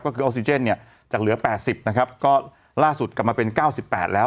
ก็คือออสซีเจนจากเหลือ๘๐ก็ล่าสุดกลับมาเป็น๙๘แล้ว